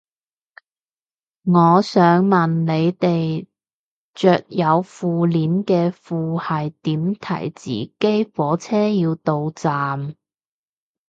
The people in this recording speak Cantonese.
我想問你哋着有褲鏈嘅褲係點提自己火車要到站